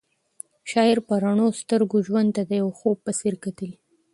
شاعر په رڼو سترګو ژوند ته د یو خوب په څېر کتل.